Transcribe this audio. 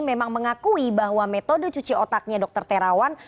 memang mengakui bahwa metode cuci otaknya dokter terawan